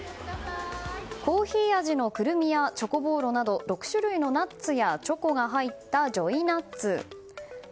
コーヒー味のクルミやチョコボールなど６種類のナッツや６種類のナッツやチョコが入ったジョイナッツ。